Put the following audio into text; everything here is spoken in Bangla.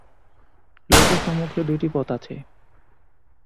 লোকের সম্মুখে দুইটি পথ আছে।